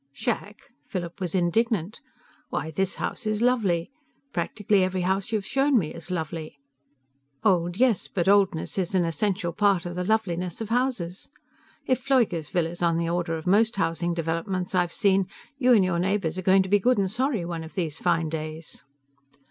"Shack!" Philip was indignant. "Why, this house is lovely! Practically every house you've shown me is lovely. Old, yes but oldness is an essential part of the loveliness of houses. If Pfleugersville is on the order of most housing developments I've seen, you and your neighbors are going to be good and sorry one of these fine days!"